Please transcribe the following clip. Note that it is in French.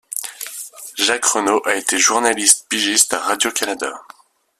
Jacques Renaud a été journaliste-pigiste à Radio-Canada.